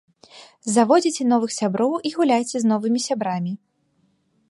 Заводзіце новых сяброў і гуляйце з новымі сябрамі.